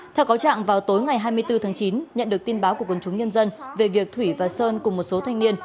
theo cáo trạng vào tối ngày hai mươi bốn tháng chín nhận được tin báo của quân chúng nhân dân về việc thủy và sơn cùng một số thanh niên